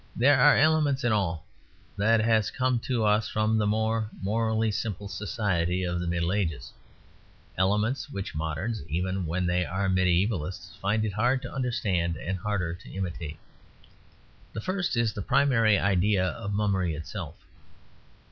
There are elements in all that has come to us from the more morally simple society of the Middle Ages: elements which moderns, even when they are mediævalists, find it hard to understand and harder to imitate. The first is the primary idea of Mummery itself.